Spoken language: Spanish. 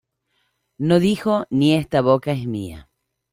No dijo ni esta boca es mía